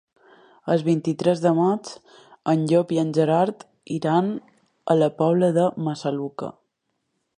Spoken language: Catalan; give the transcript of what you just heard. El vint-i-tres de maig en Llop i en Gerard iran a la Pobla de Massaluca.